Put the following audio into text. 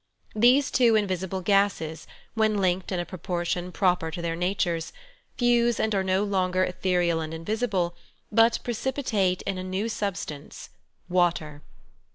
These two invisible gases, when linked in a propor tion proper to their natures, fuse and are no longer ethereal and invisible, but precipitate in a new sub stance — water.